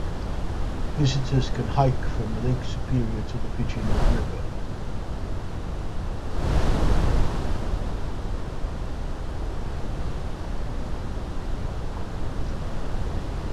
Visitors can hike from Lake Superior to the Pigeon River.